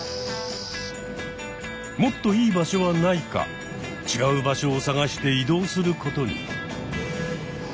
もっといい場所はないか違う場所を探して移動することに。